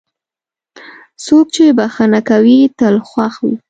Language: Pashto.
څوک چې بښنه کوي، تل خوښ وي.